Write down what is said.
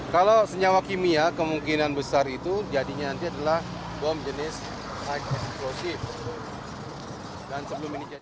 kalau senyawa kimia kemungkinan besar itu jadinya nanti adalah bom jenis high explosive